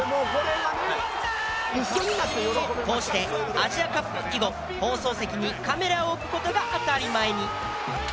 こうしてアジアカップ以後放送席にカメラを置く事が当たり前に。